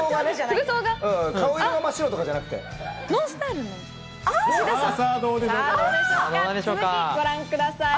続きご覧ください。